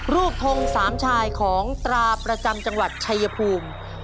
ทงสามชายของตราประจำจังหวัดชายภูมิ